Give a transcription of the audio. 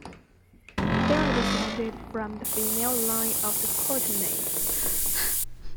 They are descended from the female line of the Courtenay.